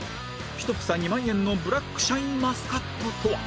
１房２万円のブラックシャインマスカットとは